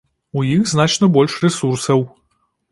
У іх значна больш рэсурсаў.